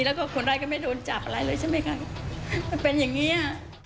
แล้วก็คนร้ายก็ไม่โดนจับอะไรเลยใช่ไหมคะมันเป็นอย่างเงี้ย